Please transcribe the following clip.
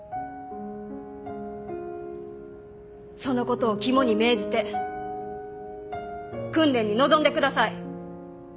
そのことを肝に銘じて訓練に臨んでください。